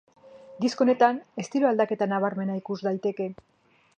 Disko honetan estilo aldaketa nabarmena ikus daiteke.